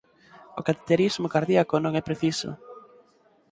O cateterismo cardíaco non é preciso.